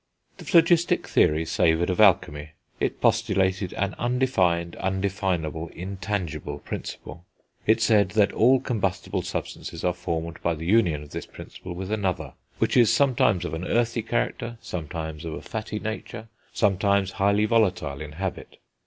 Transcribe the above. The phlogistic theory savoured of alchemy; it postulated an undefined, undefinable, intangible Principle; it said that all combustible substances are formed by the union of this Principle with another, which is sometimes of an earthy character, sometimes of a fatty nature, sometimes highly volatile in habit.